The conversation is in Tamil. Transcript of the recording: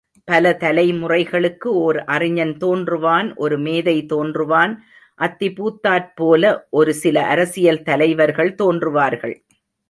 பல தலைமுறைகளுக்கு ஒர் அறிஞன் தோன்றுவான் ஒரு மேதை தோன்றுவான் அத்திபூத்தாற்போல ஒரு சில அரசியல் தலைவர்கள் தோன்றுவார்கள்.